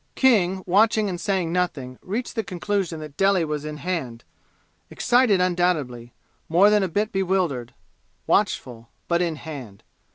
King, watching and saying nothing, reached the conclusion that Delhi was in hand excited undoubtedly, more than a bit bewildered, watchful, but in hand.